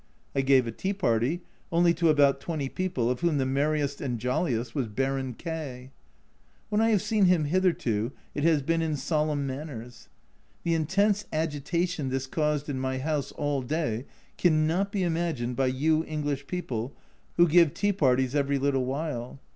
I gave a tea party, only to about twenty people, of whom the merriest andjolliest was Baron K ! When I have seen him hitherto it has been in solemn manners. The intense agita tion this caused in my house all day cannot be imagined by you English people who give tea parties every little while